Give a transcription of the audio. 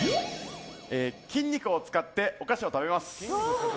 筋肉を使ってお菓子を食べます。